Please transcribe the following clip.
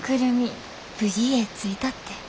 無事家着いたって。